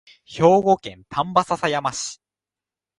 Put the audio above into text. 兵庫県丹波篠山市